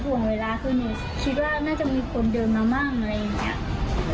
ห่วงเวลาคือหนูคิดว่าน่าจะมีคนเดินมามั่งอะไรอย่างนี้